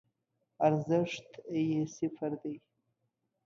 ارزښت یی صفر دی